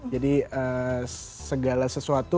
jadi segala sesuatu